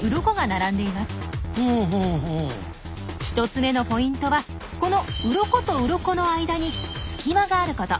１つ目のポイントはこのうろことうろこの間に隙間があること。